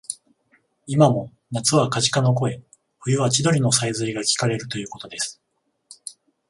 いまも夏はカジカの声、冬は千鳥のさえずりがきかれるということです